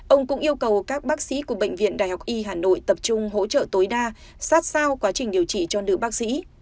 ông cũng yêu cầu các bác sĩ của bệnh viện đại học y hà nội tập trung hỗ trợ tối đa sát sao quá trình điều trị cho nữ bác sĩ